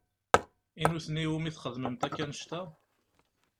I nutni i wumi txedmemt akk annect-a?